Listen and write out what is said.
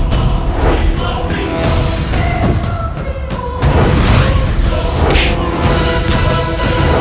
saya menembak saudaramu